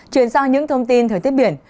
chuyển sang những thông tin thời tiết biển